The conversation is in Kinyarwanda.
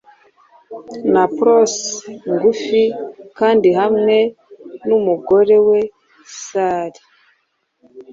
na prose ngufi kandihamwe numugore weSally